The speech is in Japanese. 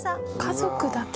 家族だけ？